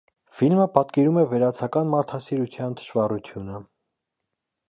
Ֆիլմը պատկերում է վերացական մարդասիրության թշվառությունը։